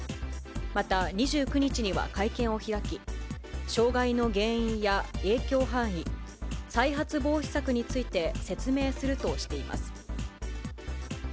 また２９日には会見を開き、障害の原因や影響範囲、再発防止策について、説明するとしています。